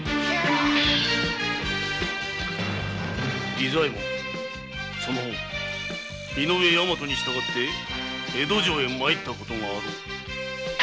儀左衛門井上大和に従って江戸城へ参ったことがあろう。